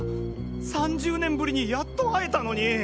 ３０年ぶりにやっと会えたのに。